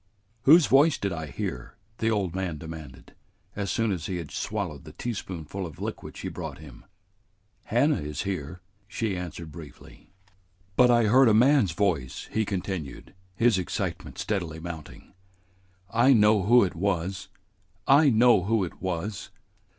"Whose voice did I hear?" the old man demanded, as soon as he had swallowed the teaspoonful of liquid she brought him. "Hannah is here," she answered briefly. "But I heard a man's voice," he continued, his excitement steadily mounting. "I know who it was! I know who it was!"